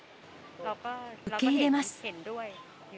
受け入れます。